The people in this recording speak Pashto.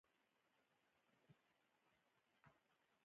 په هغه ټولنه کښي، چي بېوزله ژوند کوي، ښتمن ئې مجرمان يي.